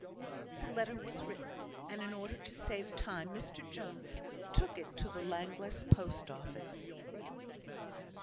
The letter was written, and, in order to save time, Mr Jones took it to the Llanglâs post office.